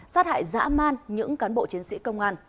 sát hại dã man những cán bộ chiến sĩ công an